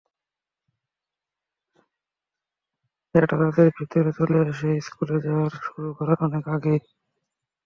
এটা তাদের ভেতরে চলে আসে স্কুলে যাওয়া শুরু করার অনেক আগেই।